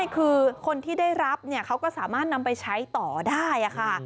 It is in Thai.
คือคนที่ได้รับเขาก็สามารถนำไปใช้ต่อได้ค่ะ